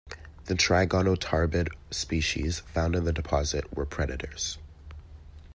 The trigonotarbid species found in the deposit were predators.